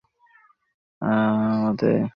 আহলি কিতাবদের মতে, এই সময় ছিল চল্লিশ বছর।